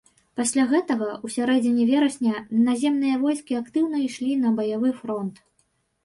Пасля гэтага ў сярэдзіне верасня наземныя войскі актыўна ішлі на баявы фронт.